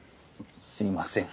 すいません。